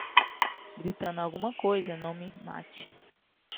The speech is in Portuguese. Gritando alguma coisa, não me mate